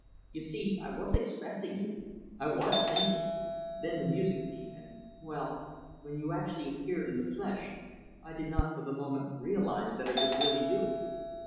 "You see I was expecting you I was thinking then the music came and well when you actually appeared in the flesh, I did not for the moment realize that it was really you."